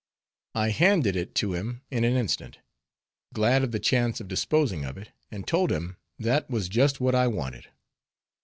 I handed it to him in an instant, glad of the chance of disposing of it, and told him that was just what I wanted.